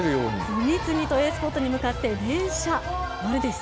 次々とＡスポットに向かって連射。